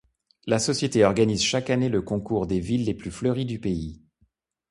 La société organise chaque année le concours des villes les plus fleuries du pays.